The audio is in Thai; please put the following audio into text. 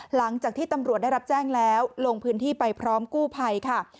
หลังจากที่ตำรวจได้รับแจ้งแล้วลงพื้นที่ไปพร้อมกู้ภัยค่ะ